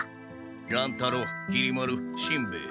乱太郎きり丸しんべヱ。